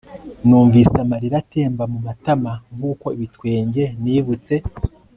numvise amarira atemba mumatama nkuko ibitwenge nibutse